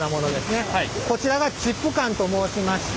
こちらがチップ管と申しまして。